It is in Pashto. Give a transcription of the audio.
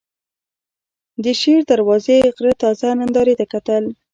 د شېر دروازې غره تازه نندارې ته کتل.